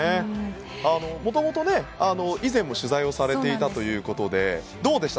もともと以前も取材をされていたということでどうでした？